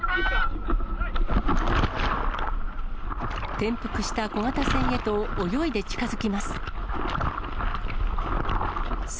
転覆した小型船へと泳いで近づきます。